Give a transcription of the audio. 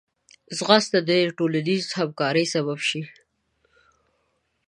ځغاسته د ټولنیز همکارۍ سبب شي